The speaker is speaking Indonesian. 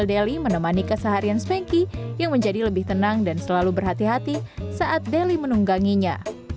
deli menemani keseharian spanky yang menjadi lebih tenang dan selalu berhati hati saat deli menungganginya